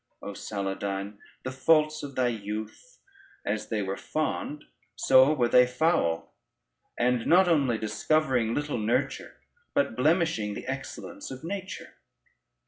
O Saladyne, the faults of thy youth, as they were fond, so were they foul, and not only discovering little nurture, but blemishing the excellence of nature.